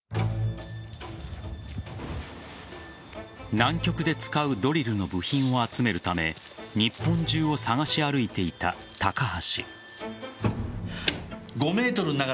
南極で使うドリルの部品を集めるため日本中を探し歩いていた高橋。